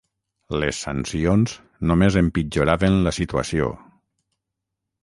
Les sancions només empitjoraven la situació.